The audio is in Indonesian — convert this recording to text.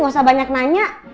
gak usah banyak nanya